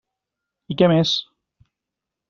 I què més?